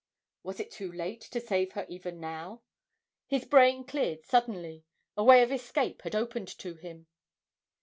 Was it too late to save her even now? His brain cleared suddenly a way of escape had opened to him.